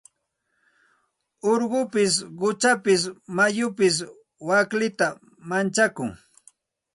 Urqupis quchapis mayupis waklita manchakun.